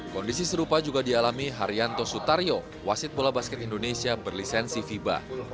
kondisi serupa juga dialami haryanto sutaryo wasit bola basket indonesia berlisensi fiba